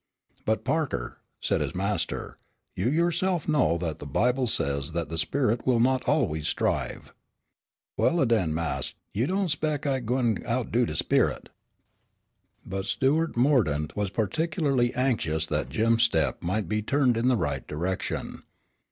"But Parker," said his master, "you yourself know that the Bible says that the spirit will not always strive." "Well, la den, mas', you don' spec' I gwine outdo de sperit." But Stuart Mordaunt was particularly anxious that Jim's steps might be turned in the right direction.